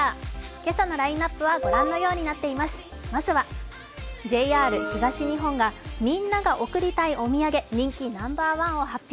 今朝のラインナップはご覧のようになっています、まずはＪＲ東日本が、みんなが贈りたいお土産を発表。